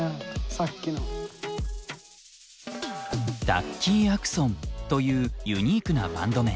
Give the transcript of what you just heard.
ダッキーアクソンというユニークなバンド名。